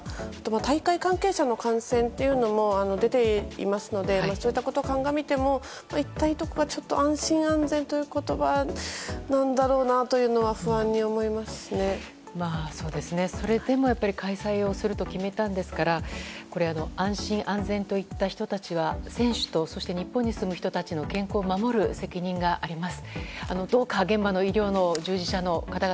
大会関係者の感染というのも出ていますのでそういったことを鑑みても一体どこが安心・安全といった言葉なんだろうなというのはそれでも、やはり開催すると決めたんですから安心・安全といった人たちは選手と日本に住む人たちの健康を守る責任があります。